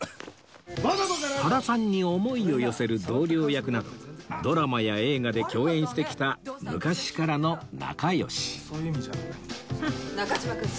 原さんに思いを寄せる同僚役などドラマや映画で共演してきた昔からの仲良しふん！